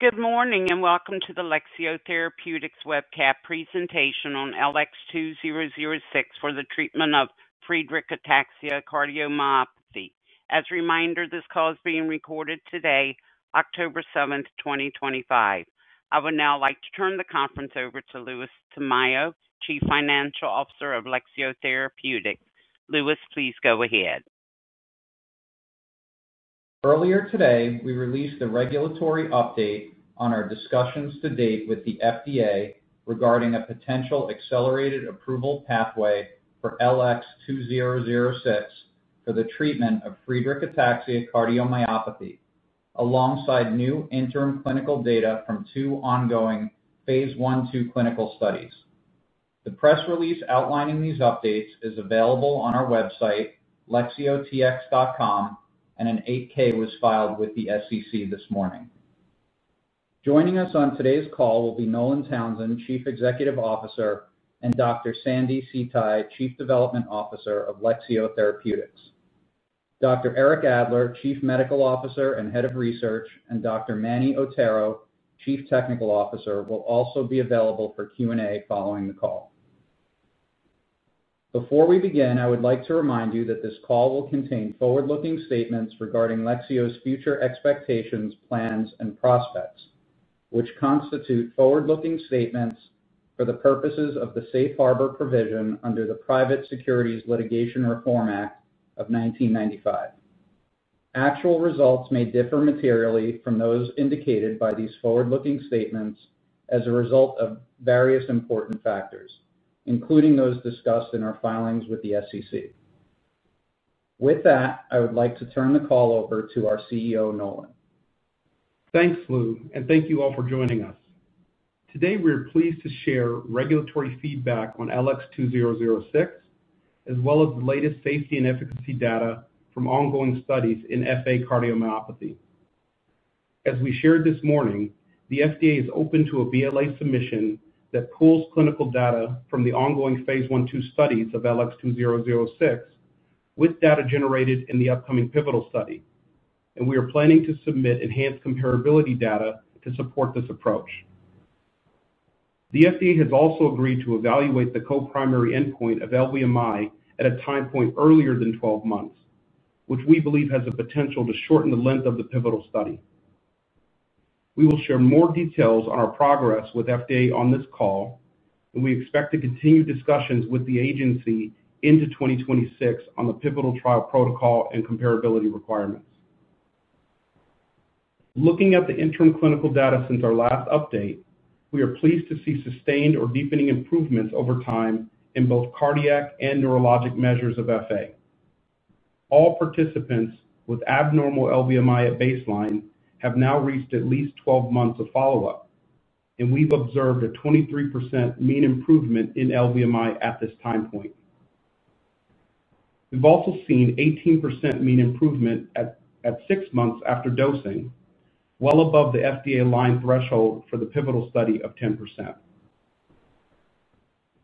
Good morning and welcome to the Lexeo Therapeutics Webcast Presentation on LX2006 for the treatment of Friedreich ataxia cardiomyopathy. As a reminder, this call is being recorded today, October 7th, 2025. I would now like to turn the conference over to Louis Tamayo, Chief Financial Officer of Lexeo Therapeutics. Louis, please go ahead. Earlier today, we released the regulatory update on our discussions to date with the FDA regarding a potential accelerated approval pathway for LX2006 for the treatment of Friedreich ataxia cardiomyopathy, alongside new interim clinical data from two ongoing phase I/II clinical studies. The press release outlining these updates is available on our website, lexeotx.com, and an 8K was filed with the SEC this morning. Joining us on today's call will be Nolan Townsend, Chief Executive Officer, and Dr. Sandi See Tai, Chief Development Officer of Lexeo Therapeutics. Dr. Eric Adler, Chief Medical Officer and Head of Research, and Dr. Manuel Otero, Chief Technical Officer, will also be available for Q&A following the call. Before we begin, I would like to remind you that this call will contain forward-looking statements regarding Lexeo's future expectations, plans, and prospects, which constitute forward-looking statements for the purposes of the Safe Harbor provision under the Private Securities Litigation Reform Act of 1995. Actual results may differ materially from those indicated by these forward-looking statements as a result of various important factors, including those discussed in our filings with the SEC. With that, I would like to turn the call over to our CEO, Nolan. Thanks, Lou, and thank you all for joining us. Today, we are pleased to share regulatory feedback on LX2006, as well as the latest safety and efficacy data from ongoing studies in FA cardiomyopathy. As we shared this morning, the FDA is open to a BLA submission that pools clinical data from the ongoing phase I/II studies of LX2006, with data generated in the upcoming pivotal study, and we are planning to submit enhanced comparability data to support this approach. The FDA has also agreed to evaluate the coprimary endpoint of LVMI at a time point earlier than 12 months, which we believe has the potential to shorten the length of the pivotal study. We will share more details on our progress with the FDA on this call, and we expect to continue discussions with the agency into 2026 on the pivotal trial protocol and comparability requirements. Looking at the interim clinical data since our last update, we are pleased to see sustained or deepening improvements over time in both cardiac and neurologic measures of FA. All participants with abnormal LVMI at baseline have now reached at least 12 months of follow-up, and we've observed a 23% mean improvement in LVMI at this time point. We've also seen 18% mean improvement at six months after dosing, well above the FDA line threshold for the pivotal study of 10%.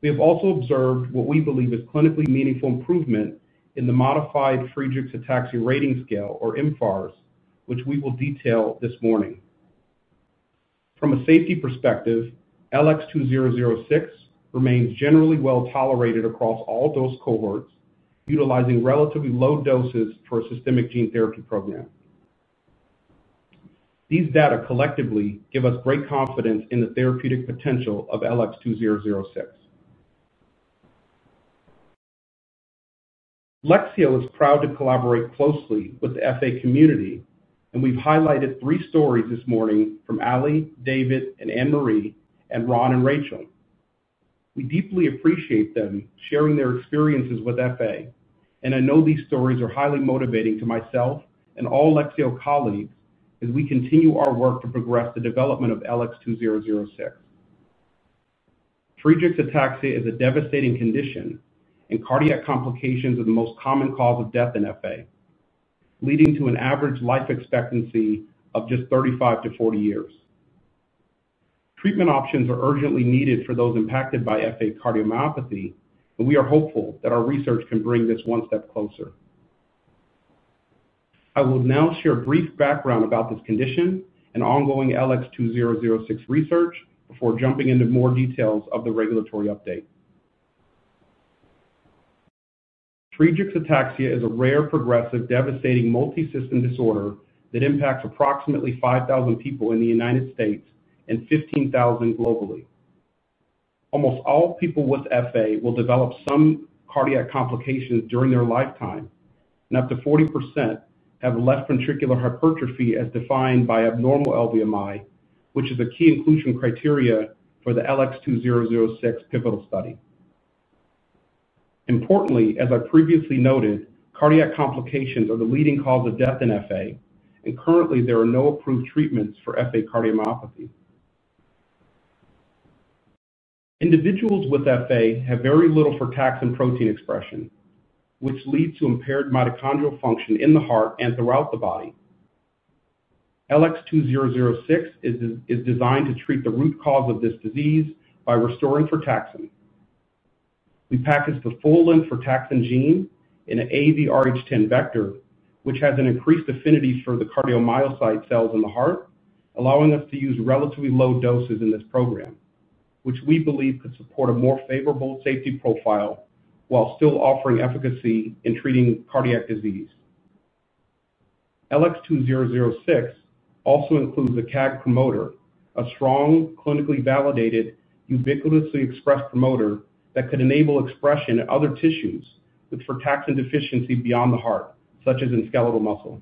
We have also observed what we believe is clinically meaningful improvement in the modified Friedreich Ataxia Rating Scale, or mFARS, which we will detail this morning. From a safety perspective, LX2006 remains generally well tolerated across all dose cohorts, utilizing relatively low doses for a systemic gene therapy program. These data collectively give us great confidence in the therapeutic potential of LX2006. Lexeo is proud to collaborate closely with the FA community, and we've highlighted three stories this morning from Allie, David, and Anne-Marie, and Ron and Rachel. We deeply appreciate them sharing their experiences with FA, and I know these stories are highly motivating to myself and all Lexeo colleagues as we continue our work to progress the development of LX2006. Friedreich ataxia is a devastating condition, and cardiac complications are the most common cause of death in FA, leading to an average life expectancy of just 35 to 40 years. Treatment options are urgently needed for those impacted by FA cardiomyopathy, and we are hopeful that our research can bring this one step closer. I will now share a brief background about this condition and ongoing LX2006 research before jumping into more details of the regulatory update. Friedreich ataxia is a rare, progressive, devastating multi-system disorder that impacts approximately 5,000 people in the United States and 15,000 globally. Almost all people with FA will develop some cardiac complications during their lifetime, and up to 40% have left ventricular hypertrophy as defined by abnormal LVMI, which is a key inclusion criteria for the LX2006 pivotal study. Importantly, as I previously noted, cardiac complications are the leading cause of death in FA, and currently there are no approved treatments for FA cardiomyopathy. Individuals with FA have very little frataxin protein expression, which leads to impaired mitochondrial function in the heart and throughout the body. LX2006 is designed to treat the root cause of this disease by restoring frataxin. We packaged the full-length frataxin gene in an AAVrh10 vector, which has an increased affinity for the cardiomyocyte cells in the heart, allowing us to use relatively low doses in this program, which we believe could support a more favorable safety profile while still offering efficacy in treating cardiac disease. LX2006 also includes a CAG promoter, a strong, clinically validated, ubiquitously expressed promoter that could enable expression in other tissues with frataxin deficiency beyond the heart, such as in skeletal muscle.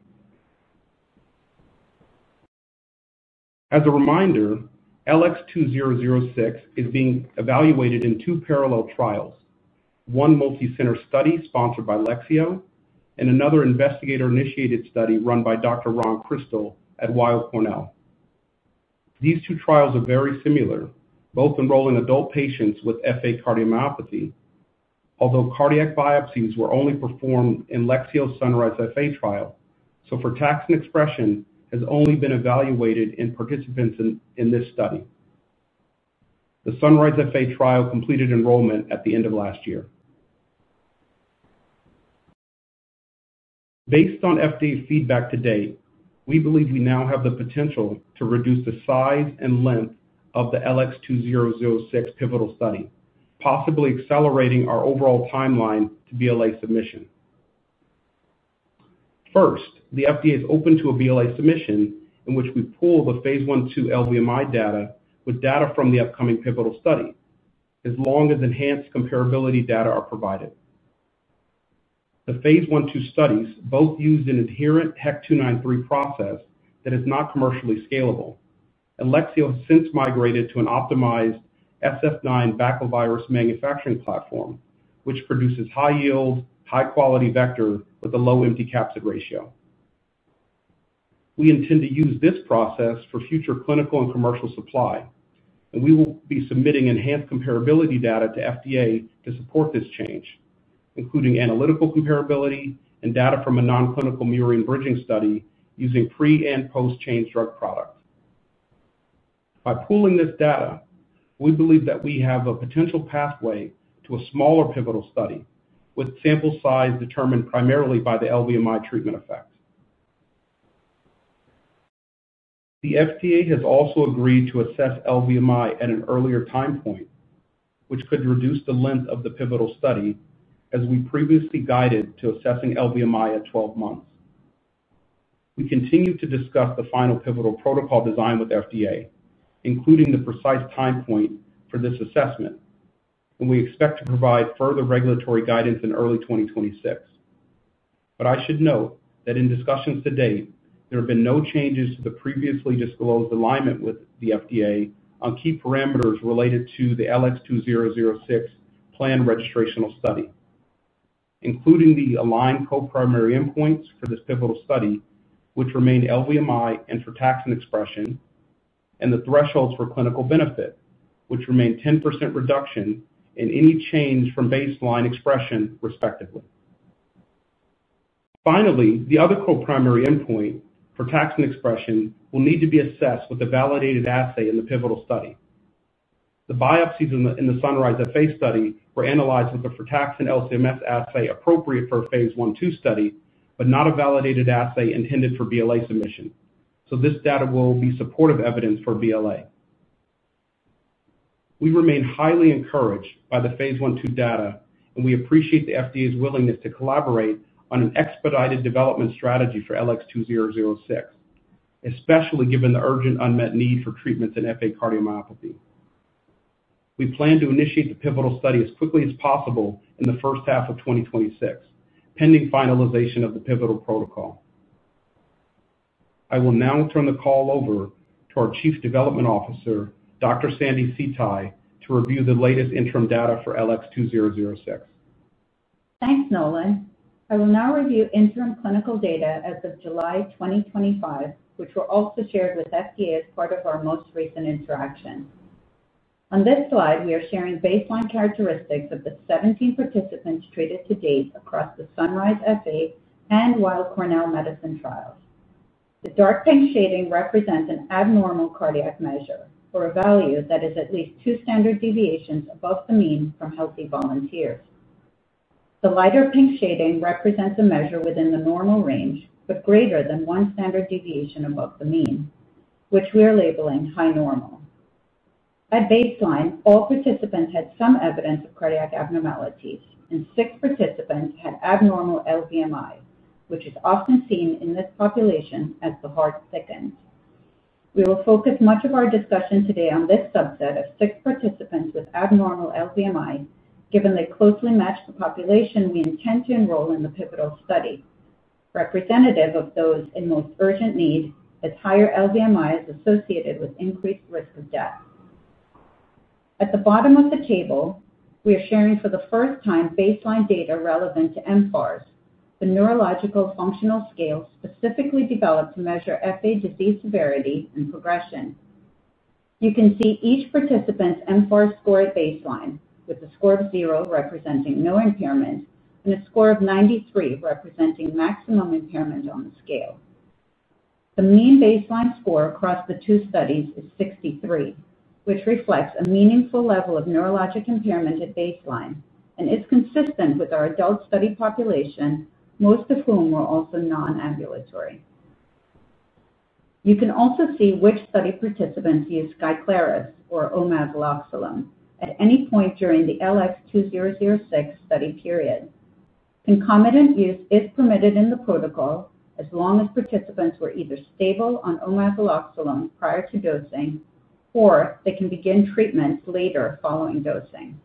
As a reminder, LX2006 is being evaluated in two parallel trials: one multicenter study sponsored by Lexeo, and another investigator-initiated study run by Dr. Ron Crystal at Weill Cornell. These two trials are very similar, both enrolling adult patients with FA cardiomyopathy, although cardiac biopsies were only performed in Lexeo's SUNRISE-FA trial, so frataxin expression has only been evaluated in participants in this study. The SUNRISE-FA trial completed enrollment at the end of last year. Based on FDA feedback to date, we believe we now have the potential to reduce the size and length of the LX2006 pivotal study, possibly accelerating our overall timeline for BLA submission. First, the FDA is open to a BLA submission in which we pool the phase I/II LVMI data with data from the upcoming pivotal study, as long as enhanced comparability data are provided. The phase I/II studies both use an adherent HEC-293 process that is not commercially scalable, and Lexeo has since migrated to an optimized SF9 baculovirus manufacturing platform, which produces high-yield, high-quality vector with a low empty capsid ratio. We intend to use this process for future clinical and commercial supply, and we will be submitting enhanced comparability data to the FDA to support this change, including analytical comparability and data from a non-clinical murine bridging study using pre- and post-change drug products. By pooling this data, we believe that we have a potential pathway to a smaller pivotal study, with sample size determined primarily by the LVMI treatment effect. The FDA has also agreed to assess LVMI at an earlier time point, which could reduce the length of the pivotal study, as we previously guided to assessing LVMI at 12 months. We continue to discuss the final pivotal protocol design with the FDA, including the precise time point for this assessment, and we expect to provide further regulatory guidance in early 2026. I should note that in discussions to date, there have been no changes to the previously disclosed alignment with the FDA on key parameters related to the LX2006 planned registrational study, including the aligned coprimary endpoints for this pivotal study, which remain LVMI and frataxin expression, and the thresholds for clinical benefit, which remain 10% reduction in any change from baseline expression, respectively. Finally, the other coprimary endpoint, frataxin expression, will need to be assessed with a validated assay in the pivotal study. The biopsies in the SUNRISE-FA study were analyzed with a frataxin LCMF assay appropriate for a phase I/II study, but not a validated assay intended for BLA submission, so this data will be supportive evidence for BLA. We remain highly encouraged by the phase I/II data, and we appreciate the FDA's willingness to collaborate on an expedited development strategy for LX2006, especially given the urgent unmet need for treatments in FA cardiomyopathy. We plan to initiate the pivotal study as quickly as possible in the first half of 2026, pending finalization of the pivotal protocol. I will now turn the call over to our Chief Development Officer, Dr. Sandi See Tai, to review the latest interim data for LX2006. Thanks, Nolan. I will now review interim clinical data as of July 2025, which were also shared with the FDA as part of our most recent interaction. On this slide, we are sharing baseline characteristics of the 17 participants treated to date across the SUNRISE-FA and Weill Cornell Medicine trial. The dark pink shading represents an abnormal cardiac measure, or a value that is at least two standard deviations above the mean from healthy volunteers. The lighter pink shading represents a measure within the normal range with greater than one standard deviation above the mean, which we are labeling high normal. At baseline, all participants had some evidence of cardiac abnormalities, and six participants had abnormal LVMI, which is often seen in this population as the heart thickened. We will focus much of our discussion today on this subset of six participants with abnormal LVMI, given they closely match the population we intend to enroll in the pivotal study, representative of those in most urgent need, as higher LVMI is associated with increased risk of death. At the bottom of the table, we are sharing for the first time baseline data relevant to mFARS, the neurological functional scale specifically developed to measure FA disease severity and progression. You can see each participant's mFARS score at baseline, with a score of zero representing no impairment and a score of 93 representing maximum impairment on the scale. The mean baseline score across the two studies is 63, which reflects a meaningful level of neurologic impairment at baseline, and is consistent with our adult study population, most of whom were also non-ambulatory. You can also see which study participants used Skyclaris or Omeprazole at any point during the LX2006 study period. Concomitant use is permitted in the protocol, as long as participants were either stable on Omeprazole prior to dosing or they can begin treatment later following dosing.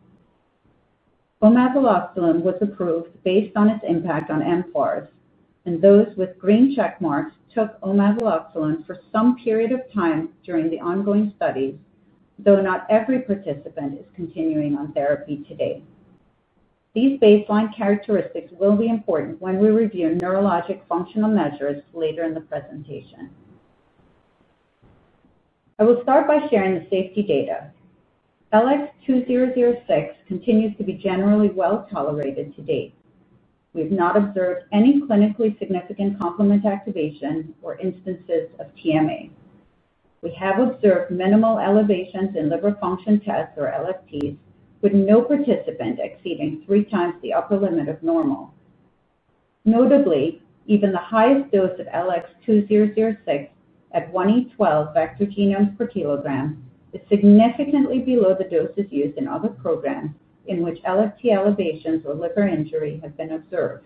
Omeprazole was approved based on its impact on mFARS, and those with green check marks took Omeprazole for some period of time during the ongoing study, though not every participant is continuing on therapy today. These baseline characteristics will be important when we review neurologic functional measures later in the presentation. I will start by sharing the safety data. LX2006 continues to be generally well tolerated to date. We have not observed any clinically significant complement activation or instances of TMA. We have observed minimal elevations in liver function tests or LFTs, with no participant exceeding three times the upper limit of normal. Notably, even the highest dose of LX2006 at 1E12 vector genomes per kg is significantly below the doses used in other programs in which LFT elevations or liver injury have been observed.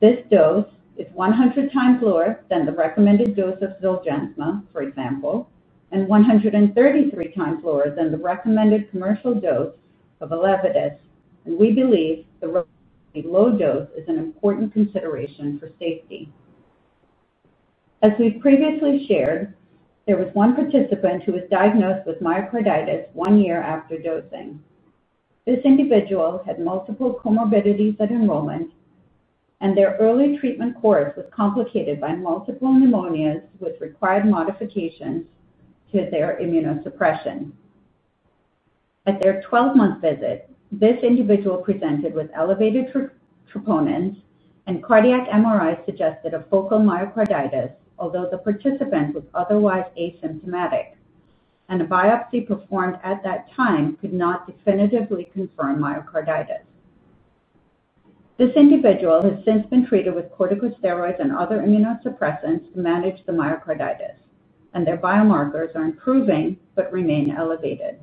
This dose is 100X lower than the recommended dose of Zolgensma, for example, and 133X lower than the recommended commercial dose of Alavitus, and we believe the low dose is an important consideration for safety. As we previously shared, there was one participant who was diagnosed with myocarditis one year after dosing. This individual had multiple comorbidities at enrollment, and their early treatment course was complicated by multiple pneumonias with required modification to their immunosuppression. At their 12-month visit, this individual presented with elevated troponins, and cardiac MRI suggested a focal myocarditis, although the participant was otherwise asymptomatic, and a biopsy performed at that time could not definitively confirm myocarditis. This individual has since been treated with corticosteroids and other immunosuppressants to manage the myocarditis, and their biomarkers are improving but remain elevated.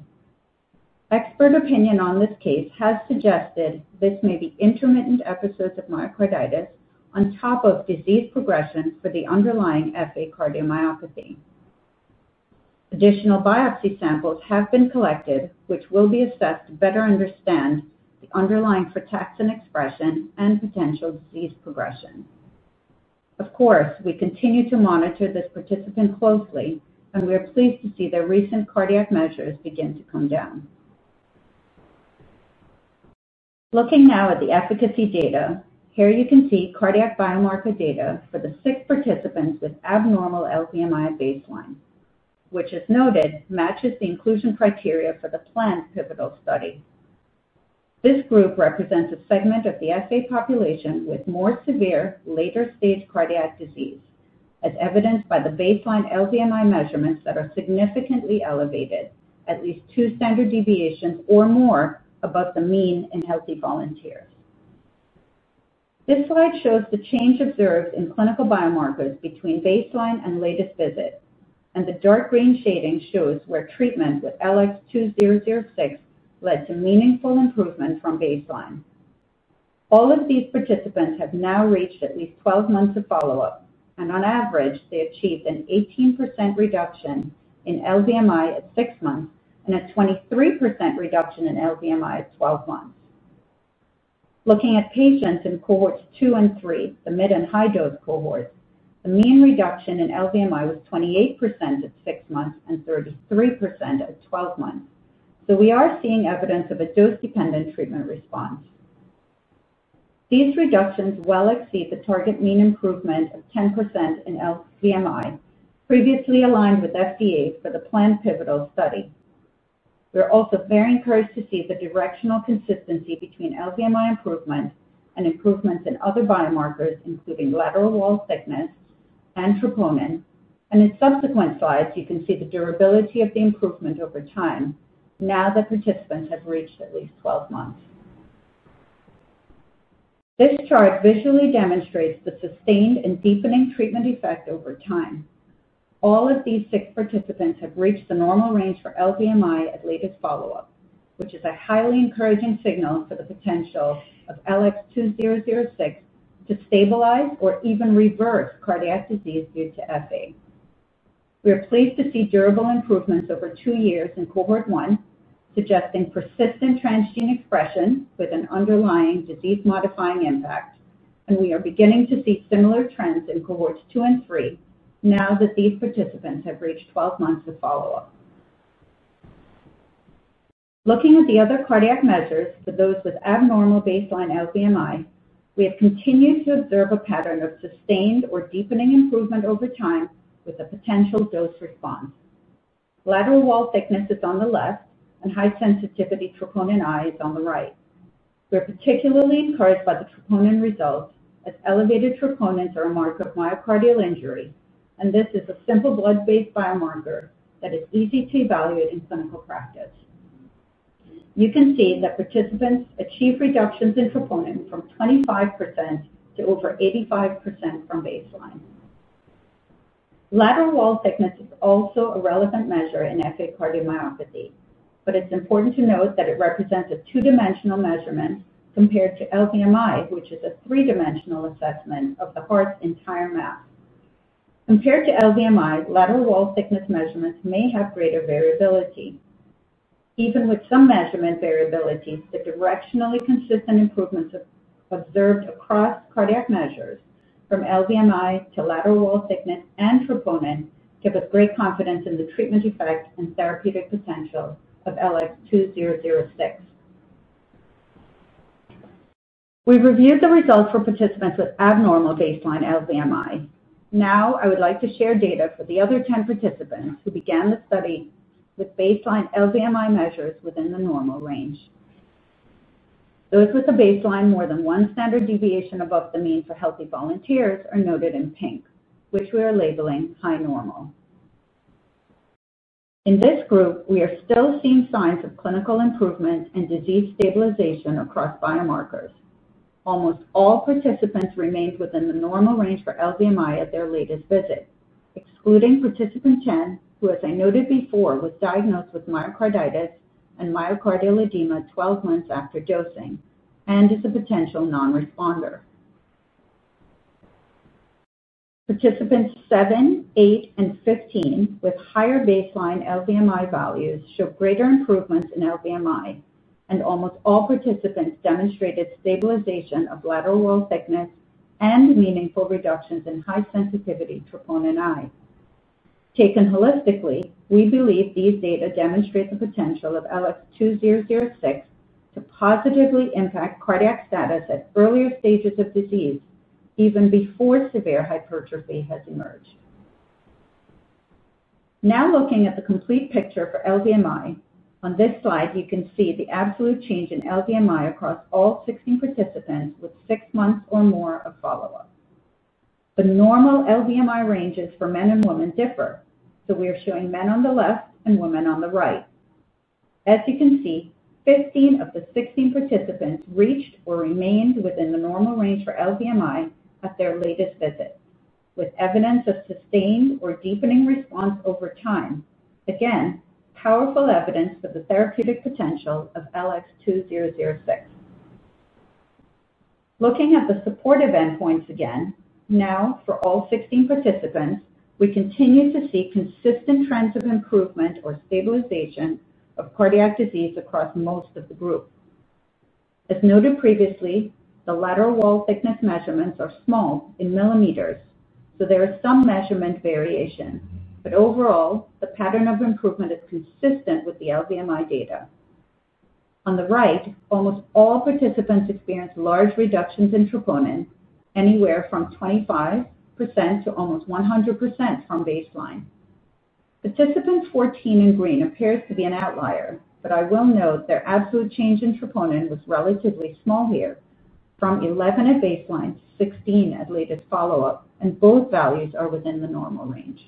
Expert opinion on this case has suggested this may be intermittent episodes of myocarditis on top of disease progression for the underlying FA cardiomyopathy. Additional biopsy samples have been collected, which will be assessed to better understand the underlying frataxin expression and potential disease progression. Of course, we continue to monitor this participant closely, and we are pleased to see their recent cardiac measures begin to come down. Looking now at the efficacy data, here you can see cardiac biomarker data for the six participants with abnormal LVMI at baseline, which, as noted, matches the inclusion criteria for the planned pivotal study. This group represents a segment of the FA population with more severe later-stage cardiac disease, as evidenced by the baseline LVMI measurements that are significantly elevated, at least two standard deviations or more above the mean in healthy volunteers. This slide shows the change observed in clinical biomarkers between baseline and latest visit, and the dark green shading shows where treatment with LX2006 led to meaningful improvement from baseline. All of these participants have now reached at least 12 months of follow-up, and on average, they achieved an 18% reduction in LVMI at six months and a 23% reduction in LVMI at 12 months. Looking at patients in cohorts two and three, the mid and high-dose cohorts, the mean reduction in LVMI was 28% at six months and 33% at 12 months, so we are seeing evidence of a dose-dependent treatment response. These reductions well exceed the target mean improvement of 10% in LVMI, previously aligned with the FDA for the planned pivotal study. We're also very encouraged to see the directional consistency between LVMI improvement and improvements in other biomarkers, including lateral wall thickness and troponin, and in subsequent slides, you can see the durability of the improvement over time, now that participants have reached at least 12 months. This chart visually demonstrates the sustained and deepening treatment effect over time. All of these six participants have reached the normal range for LVMI at latest follow-up, which is a highly encouraging signal for the potential of LX2006 to stabilize or even reverse cardiac disease due to FA. We are pleased to see durable improvements over two years in cohort one, suggesting persistent transgene expression with an underlying disease-modifying impact, and we are beginning to see similar trends in cohorts two and three, now that these participants have reached 12 months of follow-up. Looking at the other cardiac measures for those with abnormal baseline LVMI, we have continued to observe a pattern of sustained or deepening improvement over time with a potential dose response. Lateral wall thickness is on the left, and high-sensitivity troponin I is on the right. We're particularly encouraged by the troponin result, as elevated troponins are a marker of myocardial injury, and this is a simple blood-based biomarker that is easy to evaluate in clinical practice. You can see that participants achieve reductions in troponin from 25% to over 85% from baseline. Lateral wall thickness is also a relevant measure in FA cardiomyopathy, but it's important to note that it represents a two-dimensional measurement compared to LVMI, which is a three-dimensional assessment of the heart's entire mass. Compared to LVMI, lateral wall thickness measurements may have greater variability. Even with some measurement variability, the directionally consistent improvements observed across cardiac measures, from LVMI to lateral wall thickness and troponin, give us great confidence in the treatment effect and therapeutic potential of LX2006. We've reviewed the results for participants with abnormal baseline LVMI. Now, I would like to share data for the other 10 participants who began the study with baseline LVMI measures within the normal range. Those with a baseline more than one standard deviation above the mean for healthy volunteers are noted in pink, which we are labeling high normal. In this group, we are still seeing signs of clinical improvement and disease stabilization across biomarkers. Almost all participants remained within the normal range for LVMI at their latest visit, excluding participant 10, who, as I noted before, was diagnosed with myocarditis and myocardial edema 12 months after dosing and is a potential non-responder. Participants seven, eight, and 15 with higher baseline LVMI values showed greater improvements in LVMI, and almost all participants demonstrated stabilization of lateral wall thickness and meaningful reductions in high-sensitivity troponin I. Taken holistically, we believe these data demonstrate the potential of LX2006 to positively impact cardiac status at earlier stages of disease, even before severe hypertrophy has emerged. Now looking at the complete picture for LVMI, on this slide, you can see the absolute change in LVMI across all 16 participants with six months or more of follow-up. The normal LVMI ranges for men and women differ, so we are showing men on the left and women on the right. As you can see, 15 of the 16 participants reached or remained within the normal range for LVMI at their latest visit, with evidence of sustained or deepening response over time, again, powerful evidence for the therapeutic potential of LX2006. Looking at the supportive endpoints again, now for all 16 participants, we continue to see consistent trends of improvement or stabilization of cardiac disease across most of the group. As noted previously, the lateral wall thickness measurements are small in millimeters, so there is some measurement variation, but overall, the pattern of improvement is consistent with the LVMI data. On the right, almost all participants experienced large reductions in troponin, anywhere from 25% to almost 100% from baseline. Participant 14 in green appears to be an outlier, but I will note their absolute change in troponin was relatively small here, from 11 at baseline to 16 at latest follow-up, and both values are within the normal range.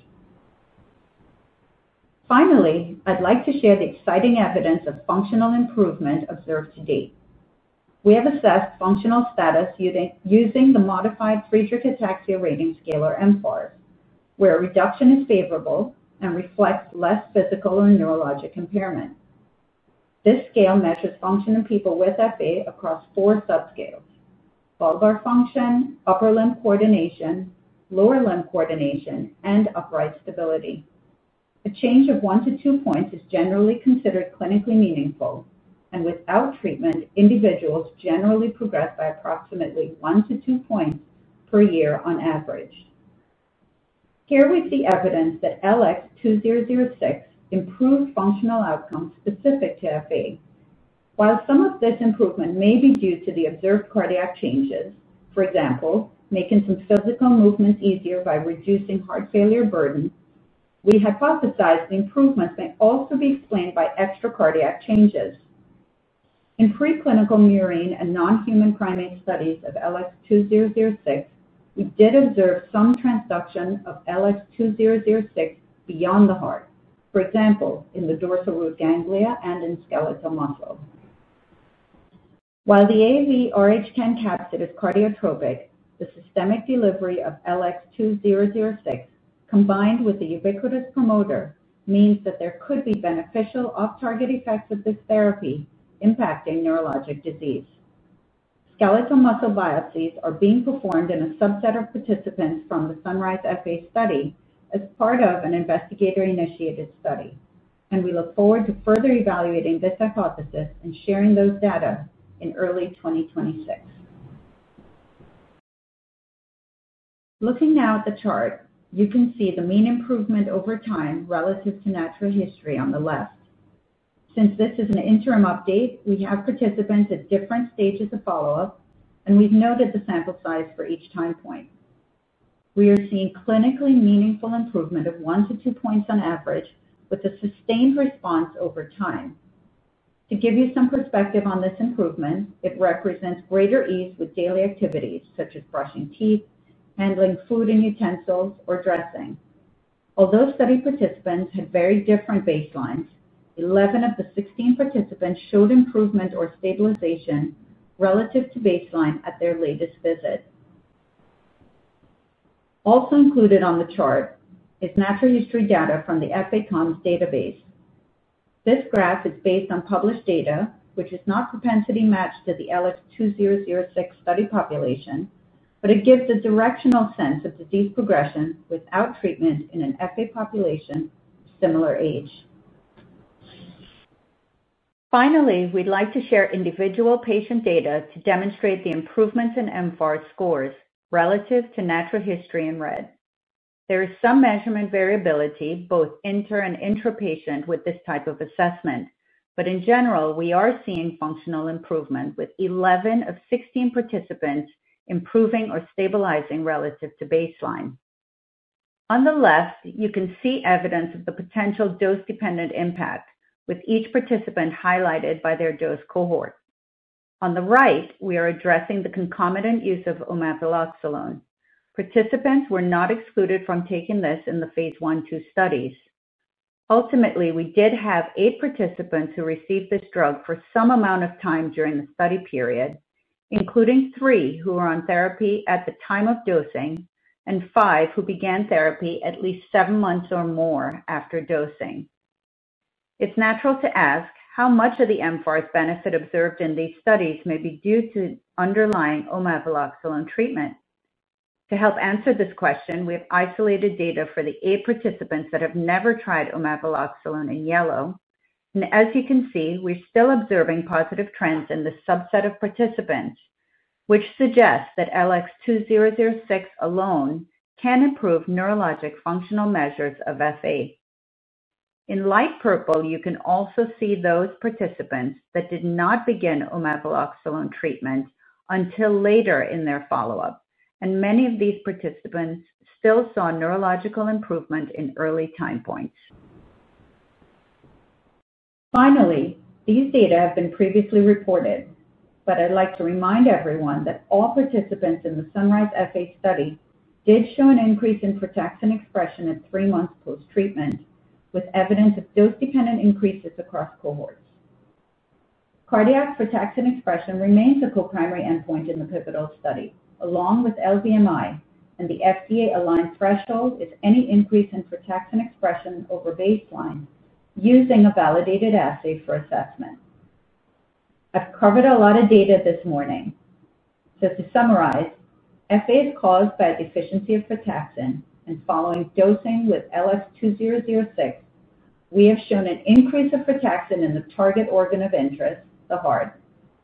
Finally, I'd like to share the exciting evidence of functional improvement observed to date. We have assessed functional status using the modified Friedreich Ataxia Rating Scale or mFARS, where reduction is favorable and reflects less physical or neurologic impairment. This scale matches function in people with FA across four subscales: bulbar function, upper limb coordination, lower limb coordination, and upright stability. A change of one to two points is generally considered clinically meaningful, and without treatment, individuals generally progress by approximately one to two points per year on average. Here was the evidence that LX2006 improved functional outcomes specific to FA. While some of this improvement may be due to the observed cardiac changes, for example, making some physical movements easier by reducing heart failure burden, we hypothesized the improvements may also be explained by extracardiac changes. In preclinical murine and non-human primate studies of LX2006, we did observe some transduction of LX2006 beyond the heart, for example, in the dorsal root ganglia and in skeletal muscle. While the AVRH10 capsid is cardiotropic, the systemic delivery of LX2006, combined with the ubiquitous promoter, means that there could be beneficial off-target effects of this therapy impacting neurologic disease. Skeletal muscle biopsies are being performed in a subset of participants from the SUNRISE-FA study as part of an investigator-initiated study, and we look forward to further evaluating this hypothesis and sharing those data in early 2026. Looking now at the chart, you can see the mean improvement over time relative to natural history on the left. Since this is an interim update, we have participants at different stages of follow-up, and we've noted the sample size for each time point. We are seeing clinically meaningful improvement of one to two points on average, with a sustained response over time. To give you some perspective on this improvement, it represents greater ease with daily activities, such as brushing teeth, handling food and utensils, or dressing. Although study participants had very different baselines, 11 of the 16 participants showed improvement or stabilization relative to baseline at their latest visit. Also included on the chart is natural history data from the FACOMS database. This graph is based on published data, which is not propensity matched to the LX2006 study population, but it gives a directional sense of disease progression without treatment in an FA population of similar age. Finally, we'd like to share individual patient data to demonstrate the improvements in mFARS scores relative to natural history in red. There is some measurement variability both inter and intrapatient with this type of assessment, but in general, we are seeing functional improvement with 11 of 16 participants improving or stabilizing relative to baseline. On the left, you can see evidence of the potential dose-dependent impact, with each participant highlighted by their dose cohort. On the right, we are addressing the concomitant use of Omeprazole. Participants were not excluded from taking this in the phase I/II studies. Ultimately, we did have eight participants who received this drug for some amount of time during the study period, including three who were on therapy at the time of dosing and five who began therapy at least seven months or more after dosing. It's natural to ask how much of the mFARS benefit observed in these studies may be due to underlying Omeprazole treatment. To help answer this question, we have isolated data for the eight participants that have never tried Omeprazole in yellow, and as you can see, we're still observing positive trends in the subset of participants, which suggests that LX2006 alone can improve neurologic functional measures of FA. In light purple, you can also see those participants that did not begin Omeprazole treatment until later in their follow-up, and many of these participants still saw neurological improvement in early time points. Finally, these data have been previously reported, but I'd like to remind everyone that all participants in the SUNRISE-FA study did show an increase in frataxin expression at three months post-treatment, with evidence of dose-dependent increases across cohorts. Cardiac frataxin expression remains a coprimary endpoint in the pivotal study, along with LVMI, and the FDA aligns thresholds as any increase in frataxin expression over baseline using a validated assay for assessment. I've covered a lot of data this morning. To summarize, FA is caused by a deficiency of frataxin, and following dosing with LX2006, we have shown an increase of frataxin in the target organ of interest, the heart,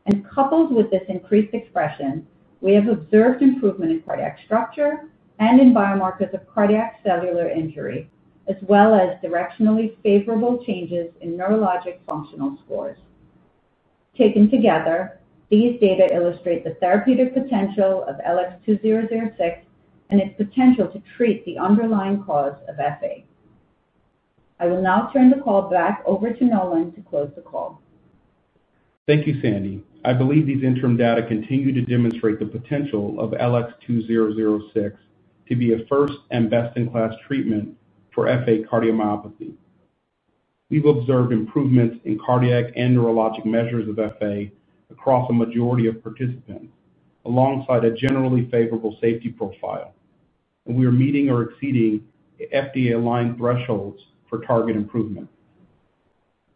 and coupled with this increased expression, we have observed improvement in cardiac structure and in biomarkers of cardiac cellular injury, as well as directionally favorable changes in neurologic functional scores. Taken together, these data illustrate the therapeutic potential of LX2006 and its potential to treat the underlying cause of FA. I will now turn the call back over to Nolan to close the call. Thank you, Sandi. I believe these interim data continue to demonstrate the potential of LX2006 to be a first and best-in-class treatment for FA cardiomyopathy. We've observed improvements in cardiac and neurologic measures of FA across a majority of participants, alongside a generally favorable safety profile, and we are meeting or exceeding the FDA-aligned thresholds for target improvement.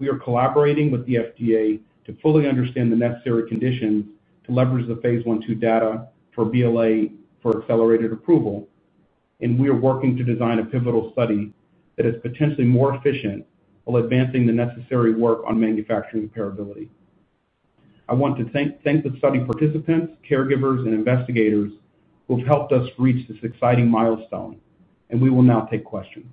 We are collaborating with the FDA to fully understand the necessary conditions to leverage the phase I/II data for BLA for accelerated approval, and we are working to design a pivotal study that is potentially more efficient while advancing the necessary work on manufacturing comparability. I want to thank the study participants, caregivers, and investigators who have helped us reach this exciting milestone, and we will now take questions.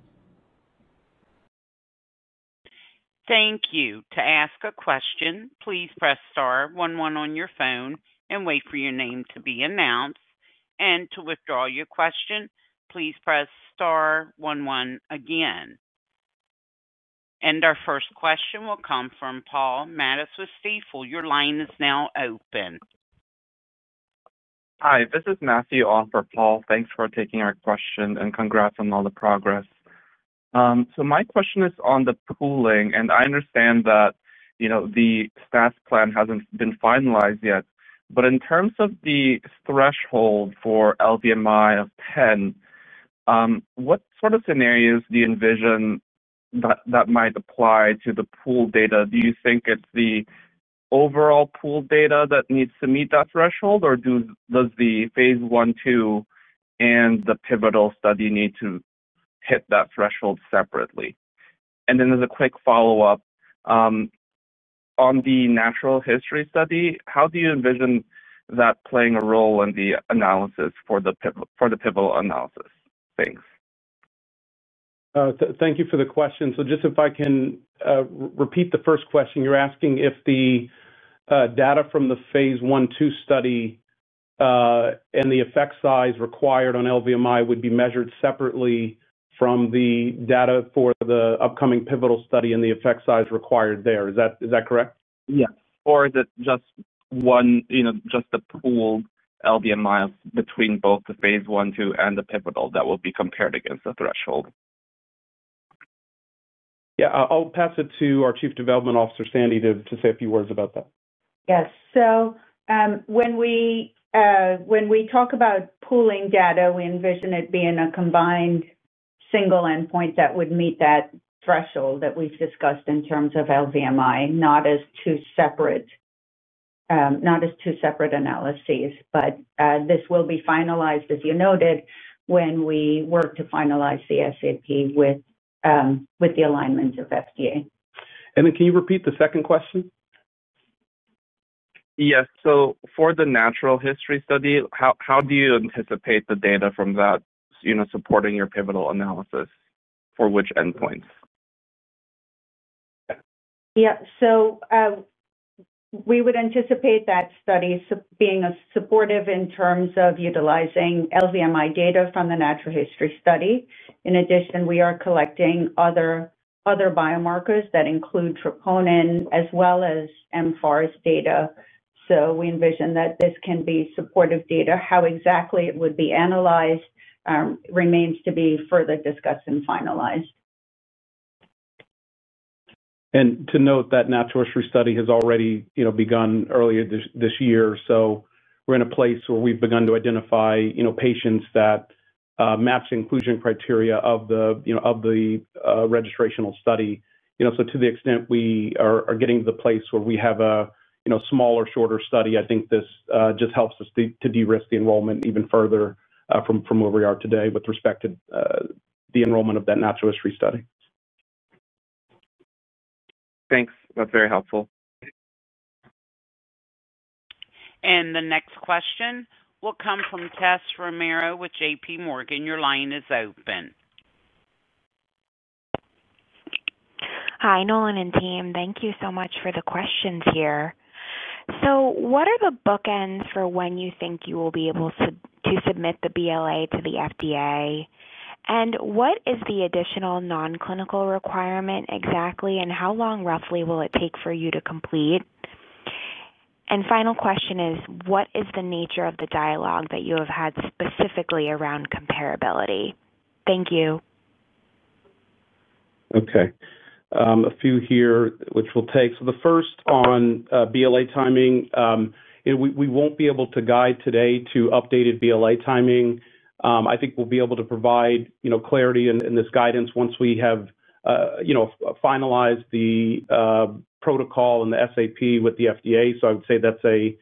Thank you. To ask a question, please press star 11 on your phone and wait for your name to be announced. To withdraw your question, please press star 11 again. Our first question will come from Paul Mattis with Stifel. Your line is now open. Hi, this is Matthew on for Paul. Thanks for taking our question and congrats on all the progress. My question is on the pooling, and I understand that the SAS plan hasn't been finalized yet, but in terms of the threshold for LVMI of 10, what sort of scenarios do you envision that that might apply to the pool data? Do you think it's the overall pool data that needs to meet that threshold, or does the phase I/II and the pivotal study need to hit that threshold separately? As a quick follow-up, on the natural history study, how do you envision that playing a role in the analysis for the pivotal analysis? Thanks. Thank you for the question. If I can repeat the first question, you're asking if the data from the phase I/II study and the effect size required on LVMI would be measured separately from the data for the upcoming pivotal study and the effect size required there. Is that correct? Is it just one, you know, just the pooled LVMI between both the phase I/II and the pivotal that will be compared against the threshold? Yeah, I'll pass it to our Chief Development Officer, Sandi, to say a few words about that. Yes. When we talk about pooling data, we envision it being a combined single endpoint that would meet that threshold that we've discussed in terms of LVMI, not as two separate analyses. This will be finalized, as you noted, when we work to finalize the SAP with the alignments of the FDA. Could you repeat the second question? Yes. For the natural history study, how do you anticipate the data from that supporting your pivotal analysis, for which endpoints? We would anticipate that study being supportive in terms of utilizing LVMI data from the natural history study. In addition, we are collecting other biomarkers that include troponin as well as mFARS data, so we envision that this can be supportive data. How exactly it would be analyzed remains to be further discussed and finalized. The natural history study has already begun earlier this year, so we're in a place where we've begun to identify patients that match the inclusion criteria of the registrational study. To the extent we are getting to the place where we have a smaller, shorter study, I think this just helps us to de-risk the enrollment even further from where we are today with respect to the enrollment of that natural history study. Thanks. That's very helpful. The next question will come from Tessa Romero with JPMorgan. Your line is open. Hi, Nolan and team. Thank you so much for the questions here. What are the bookends for when you think you will be able to submit the BLA to the FDA? What is the additional non-clinical requirement exactly, and how long roughly will it take for you to complete? Final question is, what is the nature of the dialogue that you have had specifically around comparability? Thank you. Okay. A few here, which we'll take. The first on BLA timing. We won't be able to guide today to updated BLA timing. I think we'll be able to provide clarity in this guidance once we have finalized the protocol and the SAP with the FDA. I would say that's an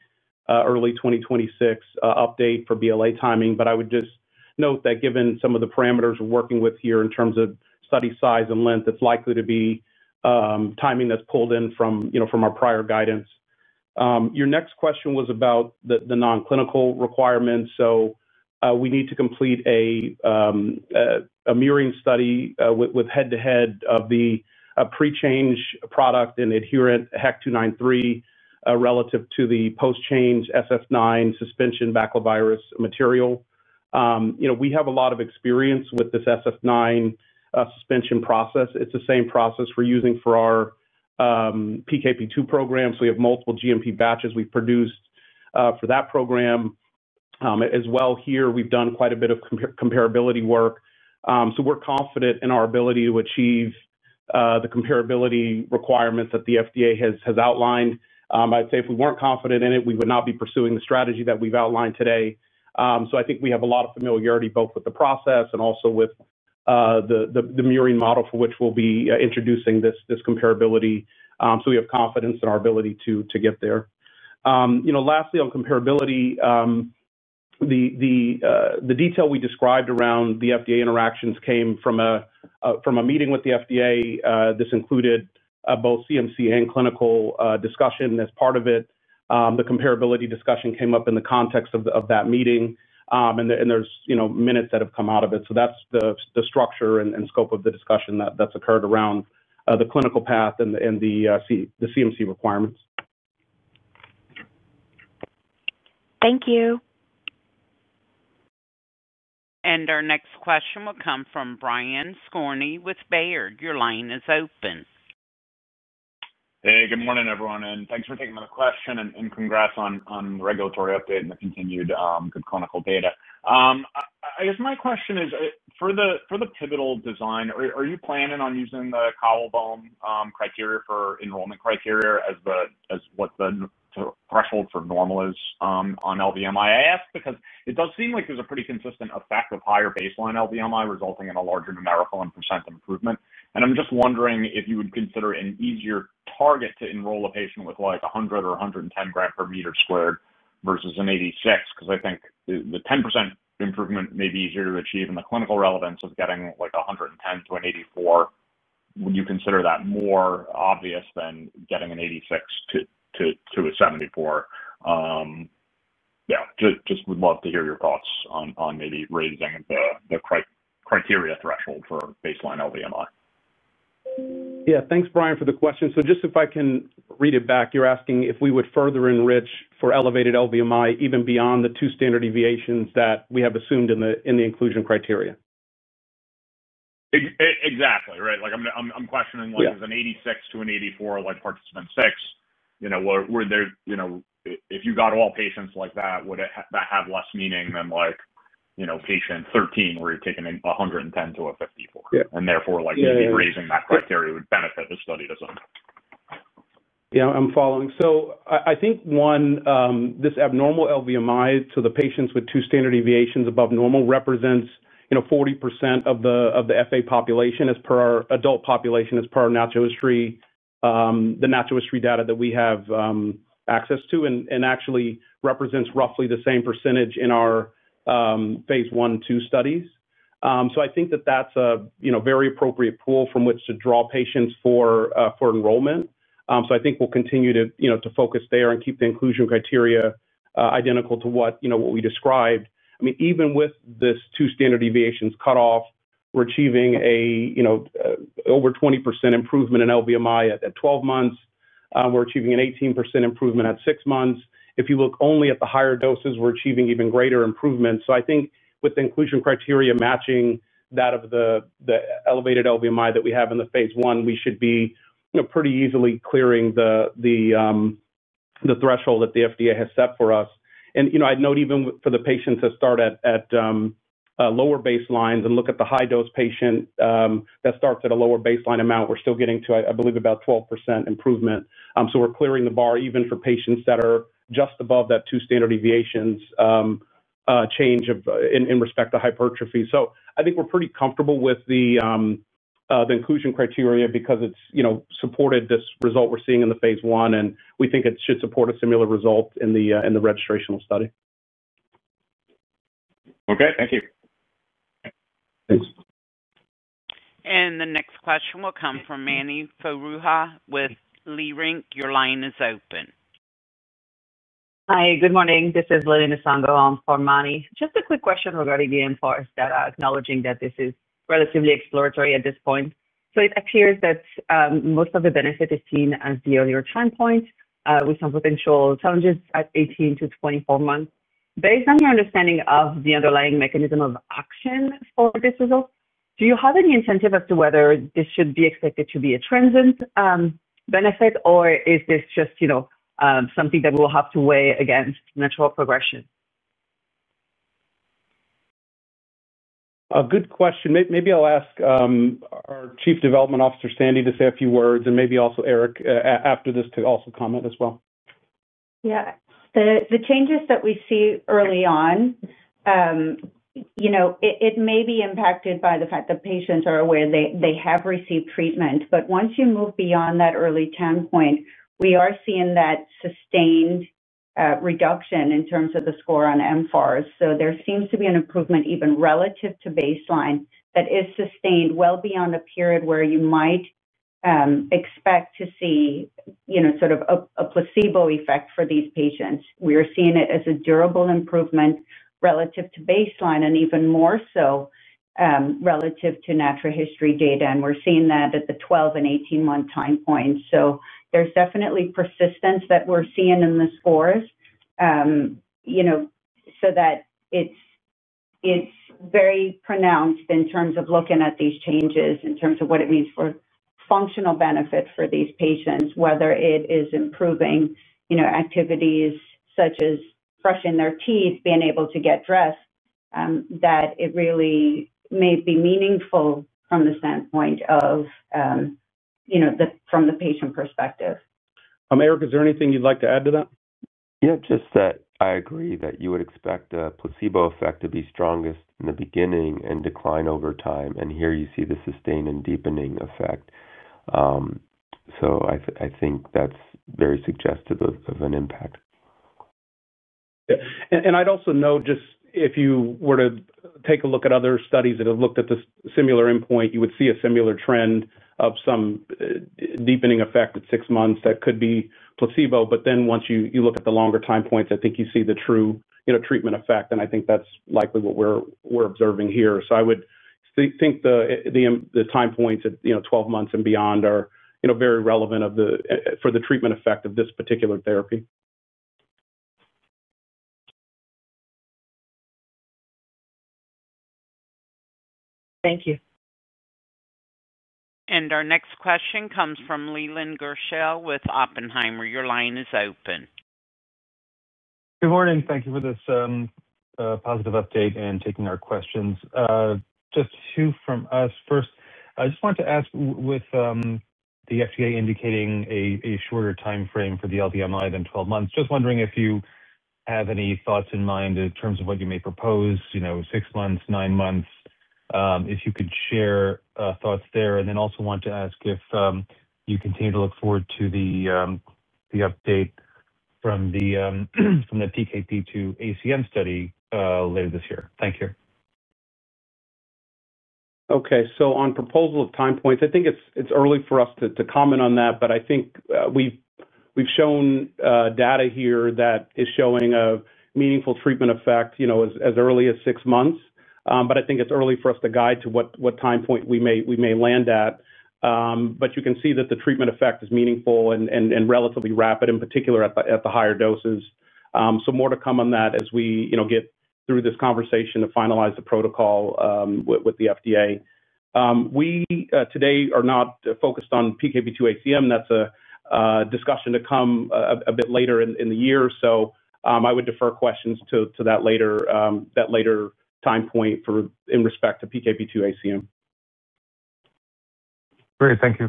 early 2026 update for BLA timing, but I would just note that given some of the parameters we're working with here in terms of study size and length, it's likely to be timing that's pulled in from our prior guidance. Your next question was about the non-clinical requirements. We need to complete a murine study with head-to-head of the pre-change product and adherent HEC-293 relative to the post-change SF9 suspension baculovirus material. We have a lot of experience with this SF9 suspension process. It's the same process we're using for our PKP2 program, so we have multiple GMP batches we've produced for that program. As well, we've done quite a bit of comparability work. We're confident in our ability to achieve the comparability requirements that the FDA has outlined. I'd say if we weren't confident in it, we would not be pursuing the strategy that we've outlined today. I think we have a lot of familiarity both with the process and also with the murine model for which we'll be introducing this comparability. We have confidence in our ability to get there. Lastly, on comparability, the detail we described around the FDA interactions came from a meeting with the FDA. This included both CMC and clinical discussion as part of it. The comparability discussion came up in the context of that meeting, and there's minutes that have come out of it. That's the structure and scope of the discussion that's occurred around the clinical path and the CMC requirements. Thank you. Our next question will come from Brian Skorney with Baird. Your line is open. Hey, good morning, everyone, and thanks for taking the question and congrats on the regulatory update and the continued good clinical data. I guess my question is, for the pivotal design, are you planning on using the Kyle Baum criteria for enrollment criteria as what the threshold for normal is on LVMI? I ask because it does seem like there's a pretty consistent effect of higher baseline LVMI resulting in a larger numerical and % improvement, and I'm just wondering if you would consider an easier target to enroll a patient with like 100 or 110 gram per meter squared versus an 86, because I think the 10% improvement may be easier to achieve, and the clinical relevance of getting like 110 to an 84, would you consider that more obvious than getting an 86 to a 74? Yeah, just would love to hear your thoughts on maybe raising the criteria threshold for baseline LVMI. Yeah, thanks, Brian, for the question. Just if I can read it back, you're asking if we would further enrich for elevated LVMI even beyond the two standard deviations that we have assumed in the inclusion criteria? Exactly, right? Like I'm questioning, like there's an 86 to an 84, like participant six. You know, if you got all patients like that, would that have less meaning than, like, you know, patient 13 where you're taking 110 to a 54, and therefore, like, raising that criteria would benefit the study to some extent. Yeah, I'm following. I think one, this abnormal LVMI, so the patients with two standard deviations above normal represents, you know, 40% of the FA population as per our adult population, as per our natural history, the natural history data that we have access to, and actually represents roughly the same percentage in our phase I/II studies. I think that that's a very appropriate pool from which to draw patients for enrollment. I think we'll continue to focus there and keep the inclusion criteria identical to what we described. I mean, even with this two standard deviations cutoff, we're achieving an over 20% improvement in LVMI at 12 months. We're achieving an 18% improvement at six months. If you look only at the higher doses, we're achieving even greater improvements. I think with the inclusion criteria matching that of the elevated LVMI that we have in the phase I, we should be pretty easily clearing the threshold that the FDA has set for us. You know, I'd note even for the patients that start at lower baselines and look at the high-dose patient that starts at a lower baseline amount, we're still getting to, I believe, about 12% improvement. We're clearing the bar even for patients that are just above that two standard deviations change in respect to hypertrophy. I think we're pretty comfortable with the inclusion criteria because it's supported this result we're seeing in the phase I, and we think it should support a similar result in the registrational study. Okay, thank you. The next question will come from Mani Foroohar with Leerink. Your line is open. Hi, good morning. This is Lili Nsongo on for Mani. Just a quick question regarding the mFARS data, acknowledging that this is relatively exploratory at this point. It appears that most of the benefit is seen at the earlier time point with some potential challenges at 18-24 months. Based on your understanding of the underlying mechanism of action for this result, do you have any incentive as to whether this should be expected to be a transient benefit, or is this just, you know, something that we will have to weigh against natural progression? Good question. Maybe I'll ask our Chief Development Officer, Sandi, to say a few words, and maybe also Eric after this to also comment as well. Yeah, the changes that we see early on may be impacted by the fact that patients are aware they have received treatment, but once you move beyond that early time point, we are seeing that sustained reduction in terms of the score on mFARS. There seems to be an improvement even relative to baseline that is sustained well beyond a period where you might expect to see a placebo effect for these patients. We are seeing it as a durable improvement relative to baseline and even more so relative to natural history data, and we're seeing that at the 12 and 18-month time points. There is definitely persistence that we're seeing in the scores, so that it's very pronounced in terms of looking at these changes, in terms of what it means for functional benefits for these patients, whether it is improving activities such as brushing their teeth, being able to get dressed, that it really may be meaningful from the standpoint of, you know, from the patient perspective. Eric, is there anything you'd like to add to that? I agree that you would expect a placebo effect to be strongest in the beginning and decline over time, and here you see the sustained and deepening effect. I think that's very suggestive of an impact. I’d also note, if you were to take a look at other studies that have looked at the similar endpoint, you would see a similar trend of some deepening effect at six months that could be placebo, but once you look at the longer time points, I think you see the true, you know, treatment effect, and I think that's likely what we're observing here. I would think the time points at, you know, 12 months and beyond are, you know, very relevant for the treatment effect of this particular therapy. Thank you. Our next question comes from Leland Gershell with Oppenheimer. Your line is open. Good morning. Thank you for this positive update and taking our questions. Just two from us. First, I just wanted to ask, with the FDA indicating a shorter time frame for the LVMI than 12 months, just wondering if you have any thoughts in mind in terms of what you may propose, you know, six months, nine months, if you could share thoughts there, and then also want to ask if you continue to look forward to the update from the PKP2-ACM study later this year. Thank you. Okay, on proposal of time points, I think it's early for us to comment on that, but I think we've shown data here that is showing a meaningful treatment effect as early as six months. I think it's early for us to guide to what time point we may land at, but you can see that the treatment effect is meaningful and relatively rapid, in particular at the higher doses. More to come on that as we get through this conversation to finalize the protocol with the FDA. We today are not focused on PKP2-ACM. That's a discussion to come a bit later in the year, so I would defer questions to that later time point in respect to PKP2-ACM. Great, thank you.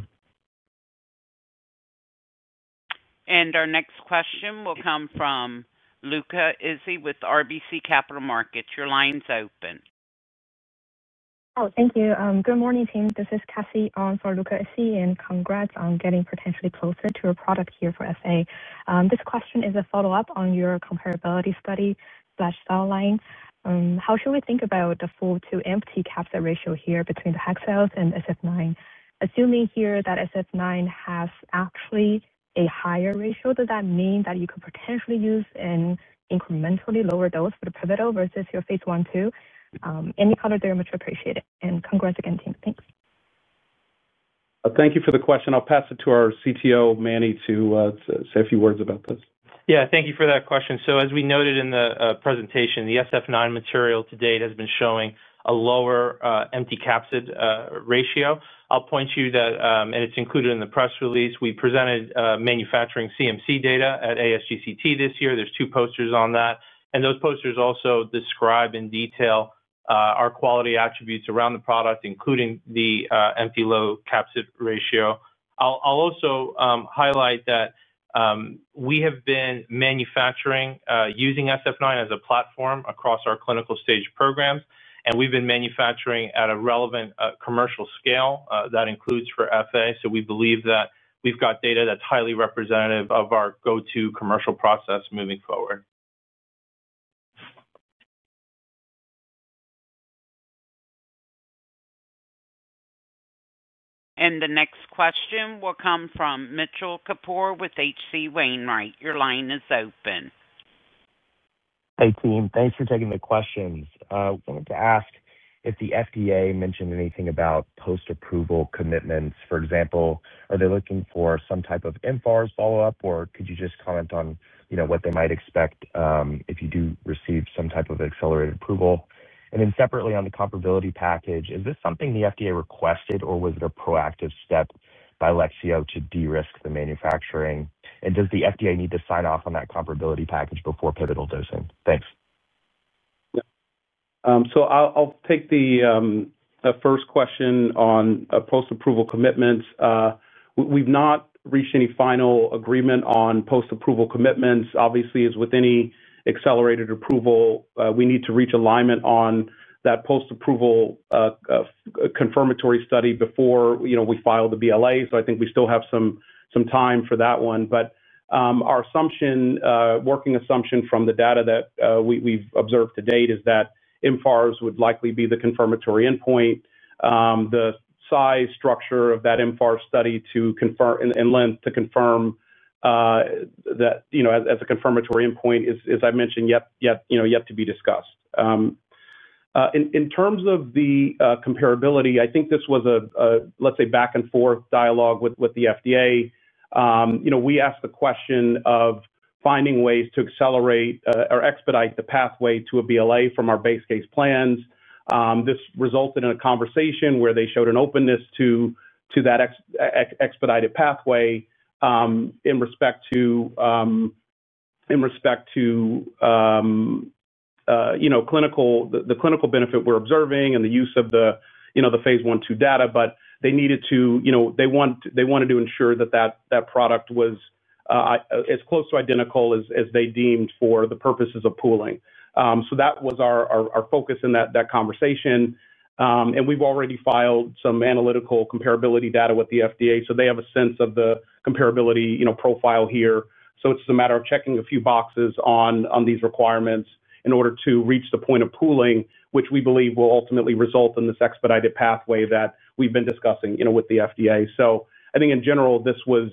Our next question will come from Luca Issi with RBC Capital Markets. Your line's open. Thank you. Good morning, team. This is Cassie on for Luca Issi, and congrats on getting potentially closer to a product here for FA. This question is a follow-up on your comparability study/cell line. How should we think about the 4:2 empty capsule ratio here between the HEC cells and SF9? Assuming here that SF9 has actually a higher ratio, does that mean that you could potentially use an incrementally lower dose for the pivotal versus your phase I/II? Any color there much appreciated, and congrats again, team. Thanks. Thank you for the question. I'll pass it to our CTO, Manuel, to say a few words about this. Thank you for that question. As we noted in the presentation, the SF9 material to date has been showing a lower empty capsid ratio. I'll point to you that, and it's included in the press release, we presented manufacturing CMC data at ASGCT this year. There are two posters on that, and those posters also describe in detail our quality attributes around the product, including the empty low capsid ratio. I'll also highlight that we have been manufacturing using SF9 as a platform across our clinical stage programs, and we've been manufacturing at a relevant commercial scale that includes for FA. We believe that we've got data that's highly representative of our go-to commercial process moving forward. The next question will come from Mitchell Kapoor with H.C. Wainwright. Your line is open. Hey, team. Thanks for taking the questions. I wanted to ask if the FDA mentioned anything about post-approval commitments. For example, are they looking for some type of mFARS follow-up, or could you just comment on what they might expect if you do receive some type of accelerated approval? Separately, on the comparability package, is this something the FDA requested, or was it a proactive step by Lexeo to de-risk the manufacturing? Does the FDA need to sign off on that comparability package before pivotal dosing? Thanks. Yeah. I'll take the first question on post-approval commitments. We've not reached any final agreement on post-approval commitments. Obviously, as with any accelerated approval, we need to reach alignment on that post-approval confirmatory study before we file the BLA. I think we still have some time for that one, but our working assumption from the data that we've observed to date is that mFARS would likely be the confirmatory endpoint. The size, structure, and length of that mFARS study to confirm that as a confirmatory endpoint is, as I mentioned, yet to be discussed. In terms of the comparability, I think this was a back-and-forth dialogue with the FDA. We asked the question of finding ways to accelerate or expedite the pathway to a BLA from our base case plans. This resulted in a conversation where they showed an openness to that expedited pathway in respect to the clinical benefit we're observing and the use of the phase I/II data, but they wanted to ensure that the product was as close to identical as they deemed for the purposes of pooling. That was our focus in that conversation, and we've already filed some analytical comparability data with the FDA, so they have a sense of the comparability profile here. It's a matter of checking a few boxes on these requirements in order to reach the point of pooling, which we believe will ultimately result in this expedited pathway that we've been discussing with the FDA. I think in general, this was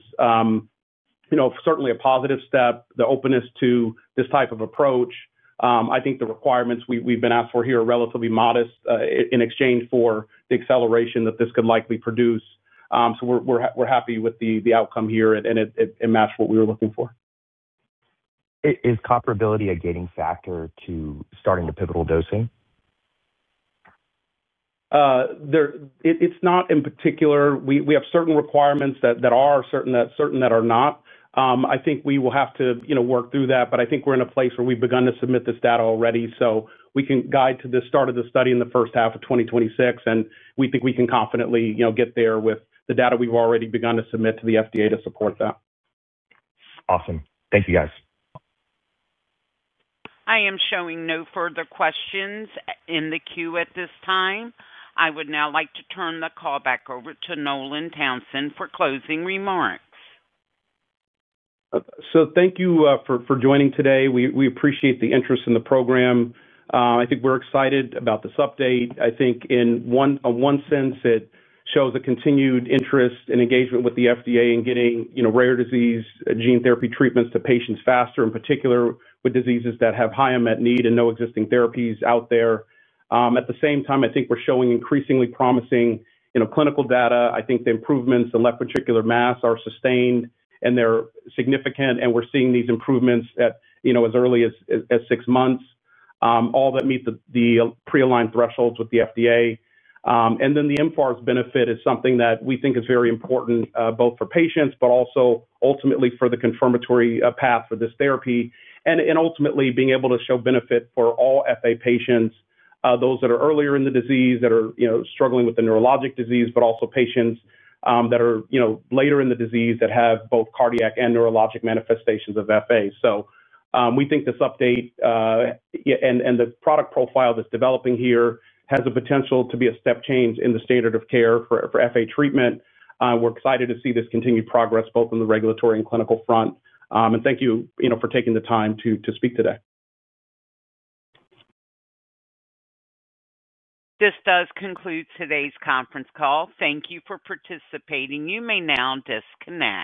certainly a positive step, the openness to this type of approach. I think the requirements we've been asked for here are relatively modest in exchange for the acceleration that this could likely produce, so we're happy with the outcome here, and it matched what we were looking for. Is comparability a gating factor to starting the pivotal dosing? We have certain requirements that are certain that are not. I think we will have to work through that, but I think we're in a place where we've begun to submit this data already, so we can guide to the start of the study in the first half of 2026, and we think we can confidently get there with the data we've already begun to submit to the FDA to support that. Awesome. Thank you, guys. I am showing no further questions in the queue at this time. I would now like to turn the call back over to Nolan Townsend for closing remarks. Thank you for joining today. We appreciate the interest in the program. I think we're excited about this update. I think in one sense, it shows a continued interest and engagement with the FDA in getting rare disease gene therapy treatments to patients faster, in particular with diseases that have high unmet need and no existing therapies out there. At the same time, I think we're showing increasingly promising clinical data. I think the improvements in that particular mass are sustained, and they're significant, and we're seeing these improvements as early as six months, all that meet the pre-aligned thresholds with the FDA. The mFARS benefit is something that we think is very important both for patients, but also ultimately for the confirmatory path for this therapy, and ultimately being able to show benefit for all FA patients, those that are earlier in the disease that are struggling with the neurologic disease, but also patients that are later in the disease that have both cardiac and neurologic manifestations of FA. We think this update and the product profile that's developing here has the potential to be a step change in the standard of care for FA treatment, and we're excited to see this continued progress both on the regulatory and clinical front, and thank you for taking the time to speak today. This does conclude today's conference call. Thank you for participating. You may now disconnect.